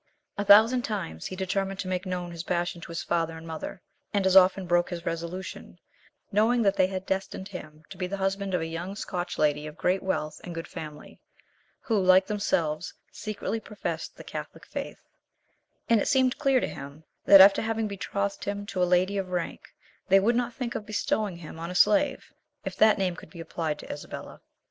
A thousand times he determined to make known his passion to his father and mother, and as often broke his resolution, knowing that they had destined him to be the husband of a young Scotch lady of great wealth and good family, who, like themselves, secretly professed the catholic faith; and it seemed clear to him, that after having betrothed him to a lady of rank, they would not think of bestowing him on a slave, if that name could be applied to Isabella.